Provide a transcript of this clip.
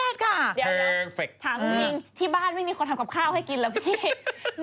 เทรฟเฟคต์ถามจริงที่บ้านไม่มีคนทำกับข้าวให้กินแล้วพี่